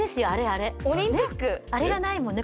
あれがないもんね